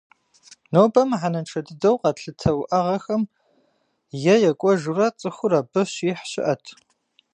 Нобэ мыхьэнэншэ дыдэу къэтлъытэ уӏэгъэхэм е екӏуэжурэ цӏыхур абы щихь щыӏэт.